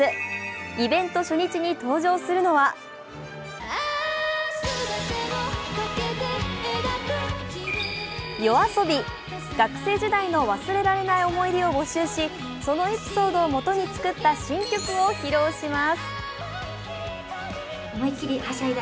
イベント初日に登場するのはＹＯＡＳＯＢＩ、学生時代の忘れられない思い出を募集しそのエピソードをもとに作った新曲を披露します。